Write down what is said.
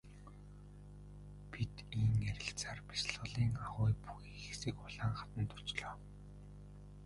Бид ийн ярилцсаар бясалгалын агуй бүхий хэсэг улаан хаданд очлоо.